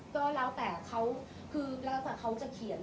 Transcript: ก็แล้วแต่เขาคือแล้วแต่เขาจะเขียน